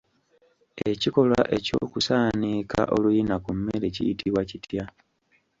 Ekikolwa eky'okusaaniika oluyina ku mmere kiyitibwa kitya?